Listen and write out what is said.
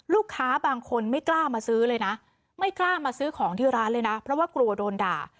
ลูกค้าบางคนไม่กล้ามาซื้อเลยนะไม่กล้ามาซื้อของที่ร้านเลยนะเพราะว่ากลัวโดนด่า